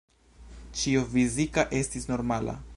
Ĉio fizika estis normala.